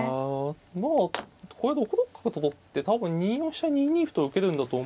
まあこれ６六角と取って多分２四飛車２二歩と受けるんだと思う。